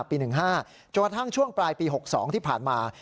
ปี๑๕จนกระทั่งช่วงปลายปี๖๒ที่ผ่านมา